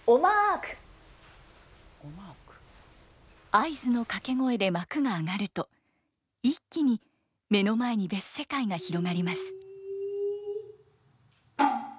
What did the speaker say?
合図の掛け声で幕が上がると一気に目の前に別世界が広がります。